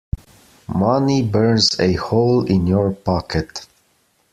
Money burns a hole in your pocket.